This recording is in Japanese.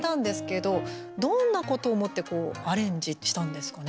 どんなことを思ってアレンジしたんですかね。